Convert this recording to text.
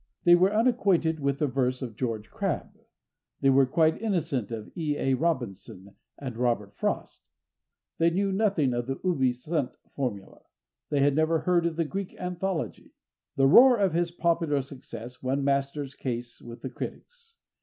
They were unacquainted with the verse of George Crabbe; they were quite innocent of E. A. Robinson and Robert Frost; they knew nothing of the Ubi sunt formula; they had never heard of the Greek Anthology. The roar of his popular success won Masters' case with the critics.